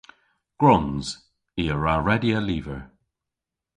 Gwrons. I a wra redya lyver.